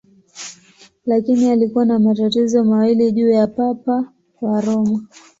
Lakini alikuwa na matatizo mawili juu ya Papa wa Roma.